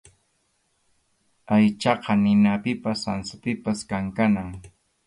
Aychaqa ninapipas sansapipas kankanam.